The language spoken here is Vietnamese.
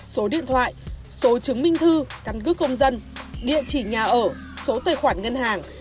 số điện thoại số chứng minh thư căn cứ công dân địa chỉ nhà ở số tài khoản ngân hàng